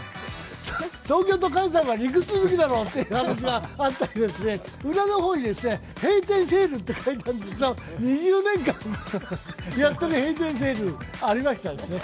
東京と関西は陸続きだろって話があったりとか、裏の方に閉店セールって書いてある店、２０年間やってる閉店セールありましたね。